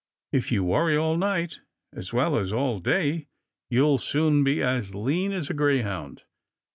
If you worry all night, as well as all day, you'll soon be as lean as a greyhound.